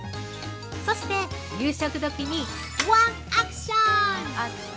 そして、夕食どきにワンアクション！